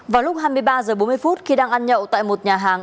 vào lúc hai mươi ba giờ bốn mươi phút khi đang ăn nhậu tại một nhà hàng